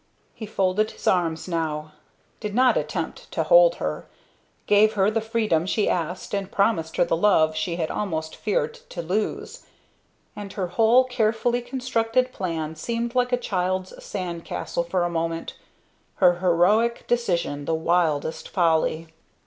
He folded his arms now did not attempt to hold her gave her the freedom she asked and promised her the love she had almost feared to lose and her whole carefully constructed plan seemed like a child's sand castle for a moment; her heroic decision the wildest folly.